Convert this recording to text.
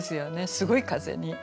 すごい風に。